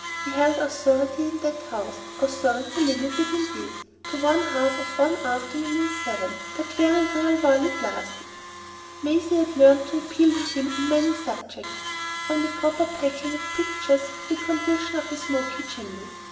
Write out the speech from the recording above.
He held authority in that house,—authority limited, indeed, to one half of one afternoon in seven, but very real while it lasted. Maisie had learned to appeal to him on many subjects, from the proper packing of pictures to the condition of a smoky chimney.